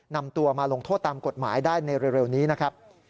นำตัวมาลงโทษตามกฎหมายได้ในเร็วนี้นะครับ